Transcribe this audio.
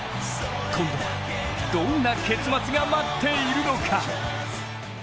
今度はどんな結末が待っているのか。